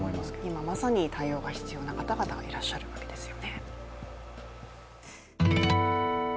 今、まさに対応が必要な方々がいらっしゃるわけですよね。